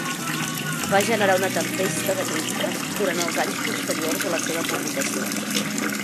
Va "generar una tempesta de crítiques durant els anys posteriors a la seva publicació".